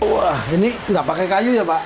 wah ini nggak pakai kayu ya pak